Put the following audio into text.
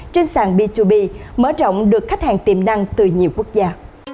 trên sàn b hai b mở rộng được khách hàng tiềm năng từ nhiều quốc gia